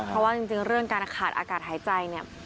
เพราะว่าจริงเรื่องการขาดอากาศหายใจเนี่ย